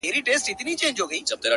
اوس چي سهار دى گراني